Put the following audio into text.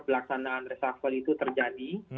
pelaksanaan reshuffle itu terjadi